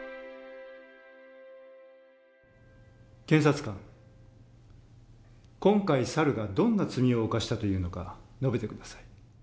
検察官今回猿がどんな罪を犯したというのか述べて下さい。